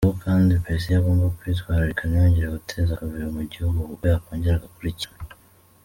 Yavuze ko kandi Besigye agomba kwitwarika ntiyongere guteza akavuyo mu gihugu kuko yakongera agakurikiranwa.